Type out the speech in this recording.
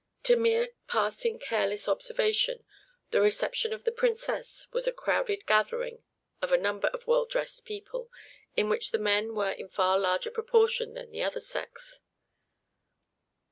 To mere passing careless observation, the reception of the Princess was a crowded gathering of a number of well dressed people, in which the men were in far larger proportion than the other sex.